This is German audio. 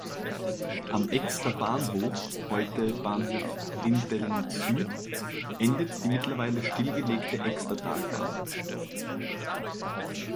Am Exter Bahnhof, heute Bahnhof "Rinteln Süd", endet die mittlerweile stillgelegte Extertalbahn.